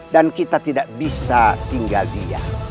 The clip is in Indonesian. dan kita tidak bisa tinggal dia